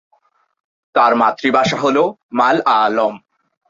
তার মাতৃভাষা হল মালয়ালম।